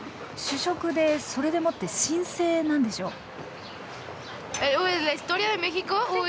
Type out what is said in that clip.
主食でそれでもって神聖なんでしょ？